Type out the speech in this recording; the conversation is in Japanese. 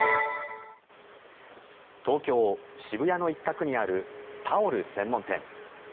東京・渋谷の一角にあるタオル専門店。